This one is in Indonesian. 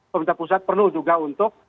pemerintah pusat perlu juga untuk